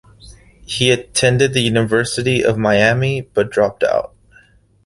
He attended the University of Miami but dropped out.